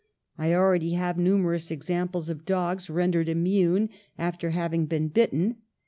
I already have numerous examples of dogs ren dered immune after having been bitten.